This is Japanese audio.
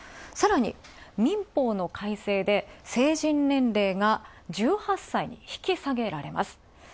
さらに民法の改正で成人年齢が１８歳に引き下げられます。